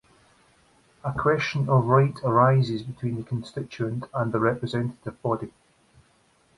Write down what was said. A question of right arises between the constituent and the representative body.